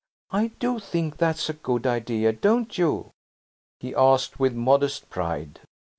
I do think that's a good idea, don't you?" he asked, with modest pride.